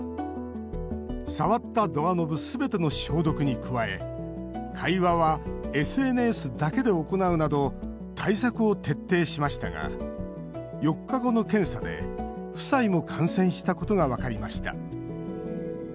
触ったドアノブすべての消毒に加え会話はＳＮＳだけで行うなど対策を徹底しましたが４日後の検査で夫妻も感染したことが分かりました。